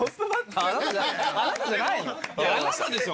あなたでしょ。